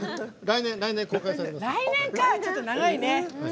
来年か、ちょっと長いね。